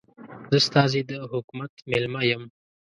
زه ستاسې د حکومت مېلمه یم.